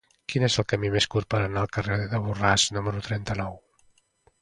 Quin és el camí més curt per anar al carrer de Borràs número trenta-nou?